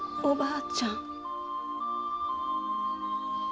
おばあちゃん！